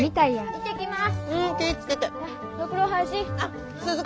行ってきます！